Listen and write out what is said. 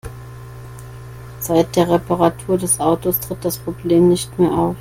Seit der Reparatur des Autos tritt das Problem nicht mehr auf.